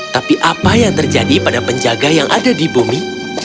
tapi apa yang terjadi pada penjaga yang ada di bumi